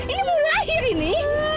ini mau lahir ini